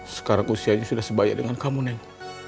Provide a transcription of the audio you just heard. sekarang usianya sudah sebaya dengan kamu neng